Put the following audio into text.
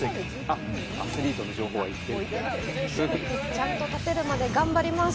ちゃんと立てるまで頑張ります。